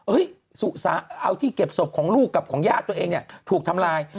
เอาที่เก็บศพของลูกกับของญาติตัวเองเนี่ยถูกทำลาย